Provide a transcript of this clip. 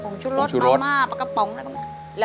ถุงชุรสมาม่าปากกะป๋องอะไรประมาณนี้